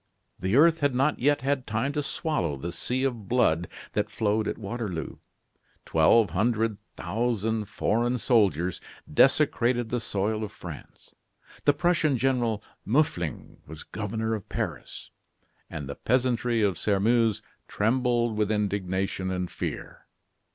The earth had not yet had time to swallow the sea of blood that flowed at Waterloo; twelve hundred thousand foreign soldiers desecrated the soil of France; the Prussian General Muffling was Governor of Paris. And the peasantry of Sairmeuse trembled with indignation and fear.